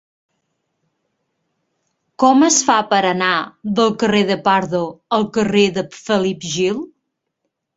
Com es fa per anar del carrer de Pardo al carrer de Felip Gil?